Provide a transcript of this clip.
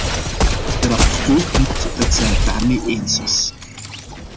De rapporteur knikt dat zij het daarmee eens is.